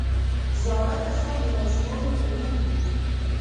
زاړه کسان د ماشومانو ښوونکي وي